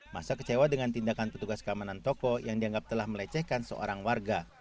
masa kecewa dengan tindakan petugas keamanan toko yang dianggap telah melecehkan seorang warga